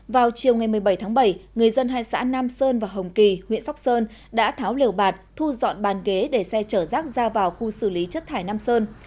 vào chiều ngày một mươi bảy tháng bảy người dân hai xã nam sơn và hồng kỳ huyện sóc sơn đã tháo liều bạt thu dọn bàn ghế để xe chở rác ra vào khu xử lý chất thải nam sơn